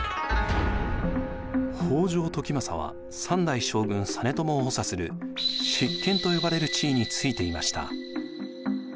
北条時政は３代将軍実朝を補佐する執権と呼ばれる地位に就いていました。